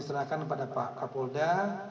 serahkan kepada pak kapolda